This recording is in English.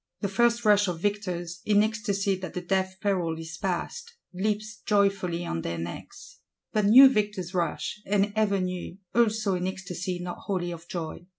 The first rush of victors, in ecstacy that the death peril is passed, "leaps joyfully on their necks;" but new victors rush, and ever new, also in ecstacy not wholly of joy.